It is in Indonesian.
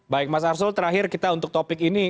baik mas arsul terakhir kita untuk topik ini